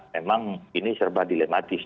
memang ini serba dilematis